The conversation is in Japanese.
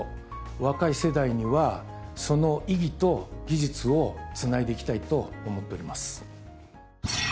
若い世代にはその意義と技術をつないでいきたいと思っております。